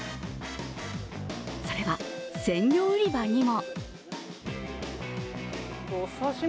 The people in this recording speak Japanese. それは鮮魚売り場にも。